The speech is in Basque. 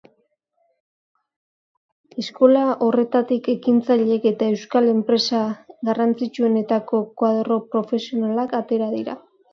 Eskola horretatik ekintzaileak eta euskal enpresa garrantzitsuenetako koadro profesionalak atera dira.